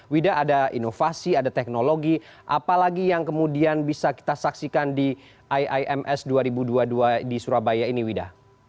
wida ada inovasi ada teknologi apalagi yang kemudian bisa kita saksikan di iims dua ribu dua puluh dua di surabaya ini wida